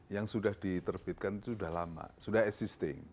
yang sudah diterbitkan itu sudah lama sudah existing